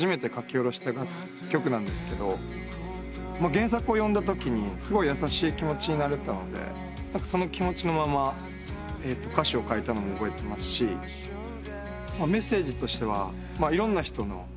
原作を読んだときにすごい優しい気持ちになれたのでその気持ちのまま歌詞を書いたのも覚えてますしメッセージとしてはいろんな人の。